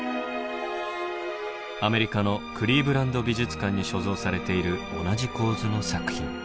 アメリカのクリーブランド美術館に所蔵されている同じ構図の作品。